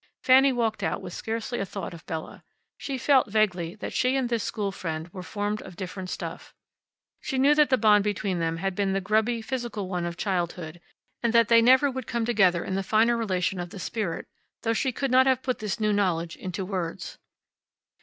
Fanny walked out with scarcely a thought of Bella. She felt, vaguely, that she and this school friend were formed of different stuff. She knew that the bond between them had been the grubby, physical one of childhood, and that they never would come together in the finer relation of the spirit, though she could not have put this new knowledge into words.